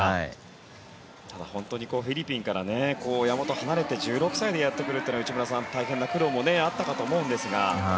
本当にフィリピンから親元を離れて１６歳でやってくるというのは内村さん大変な苦労もあったかと思うんですが。